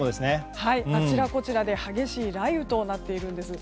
あちらこちらで激しい雷雨となっているんです。